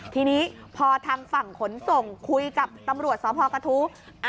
ทีนี้พอทางฝั่งขนส่งคุยกับตำรวจสพกระทู้